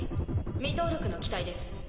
未登録の機体です。